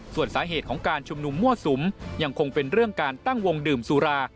ส่วนสาเหตุของการชุมนุมมั่วสุมยังคงเป็นเรื่องการตั้งวงดื่มสุรา